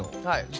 はい。